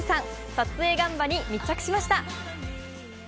撮影現場に密着しました。